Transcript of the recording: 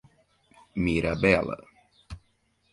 Mirabela